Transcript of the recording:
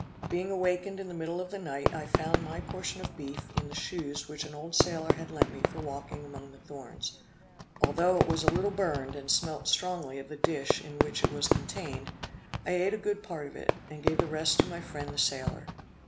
Being awakened in the middle of the night, I found my portion of beef in the shoes which an old sailor had lent me for walking among the thorns; although it was a little burned and smelt strongly of the dish in which it was contained, I eat a good part of it, and gave the rest to my friend the sailor.